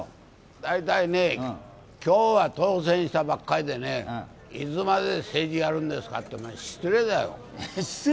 だいたいね、今日は当選したばかりでねいつまで政治やるんですかっていうのは失礼だよ。